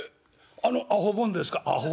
あのアホボンですか？」。